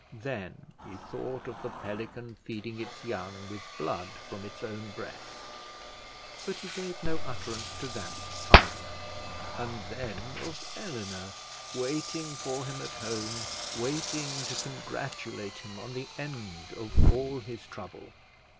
Then he thought of the pelican feeding its young with blood from its own breast, but he gave no utterance to that either; and then of Eleanor waiting for him at home, waiting to congratulate him on the end of all his trouble.